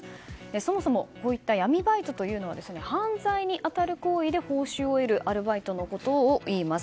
そもそもこういった闇バイトというのは犯罪に当たる行為で報酬を得るアルバイトのことを言います。